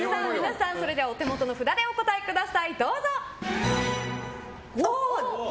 それではお手元の札でお答えください。